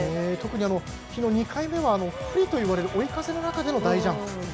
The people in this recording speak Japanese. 特に昨日の２回目は不利といわれる追い風の中での大ジャンプ。